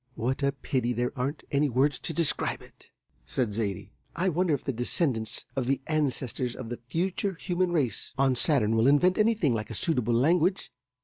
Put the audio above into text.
"What a pity there aren't any words to describe it!" said Zaidie. "I wonder if the descendants of the ancestors of the future human race on Saturn will invent anything like a suitable language.